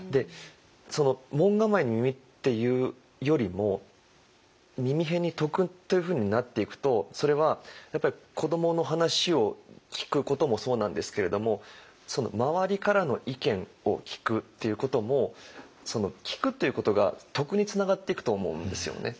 その門構えに「耳」っていうよりも耳偏に「徳」というふうになっていくとそれはやっぱり子どもの話を聴くこともそうなんですけれどもその周りからの意見を聴くっていうことも聴くということが徳につながっていくと思うんですよね。